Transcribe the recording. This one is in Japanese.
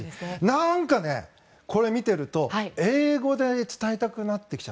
何か、これを見ていると英語で伝えたくなってきて。